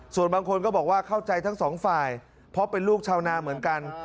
ส่วนบางคนก็บอกว่าเข้าใจทั้งสองฝ่ายเพราะเป็นลูกชาวนาเหมือนกัน